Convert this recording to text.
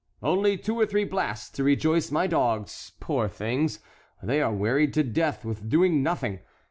"Only two or three blasts to rejoice my dogs, poor things; they are wearied to death with doing nothing.